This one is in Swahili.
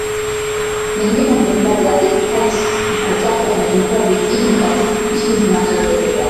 Ni mbinu mbalimbali radikalt na usafi wa mazingira vijijini katika nchi zinazoendelea